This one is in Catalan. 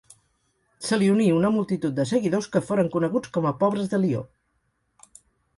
Se li uní una multitud de seguidors que foren coneguts com a Pobres de Lió.